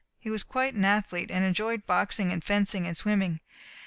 He was quite an athlete, and enjoyed boxing and fencing and swimming.